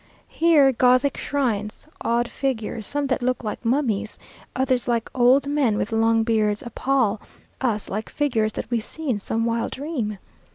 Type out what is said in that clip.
Here Gothic shrines, odd figures; some that look like mummies, others like old men with long beards, appall us like figures that we see in some wild dream.